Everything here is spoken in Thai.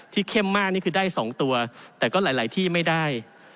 เข้มมากนี่คือได้๒ตัวแต่ก็หลายที่ไม่ได้